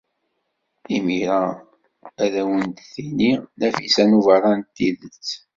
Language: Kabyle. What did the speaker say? Imir-a ad awen-d-tini Nafisa n Ubeṛṛan tidet.